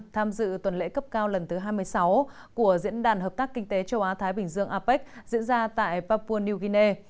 tham dự tuần lễ cấp cao lần thứ hai mươi sáu của diễn đàn hợp tác kinh tế châu á thái bình dương apec diễn ra tại papua new guinea